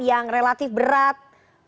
yang relatif berat